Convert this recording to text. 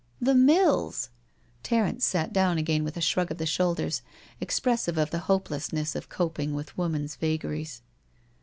" The mills I " Terence sat down again with a shrug of the shoulders, expressive of the hopelessness of coping with woman's vagaries.